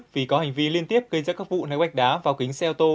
vì có hành vi liên tiếp gây ra các vụ ném gạch đá vào kính xe ô tô